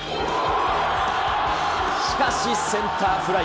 しかしセンターフライ。